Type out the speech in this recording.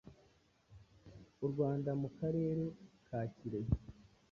u Rwanda mu karere ka Kirehe,